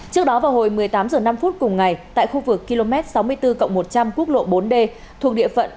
trước đó vào hồi một mươi tám h năm cùng ngày tại khu vực km sáu mươi bốn một trăm linh quốc lộ bốn d thuộc địa phận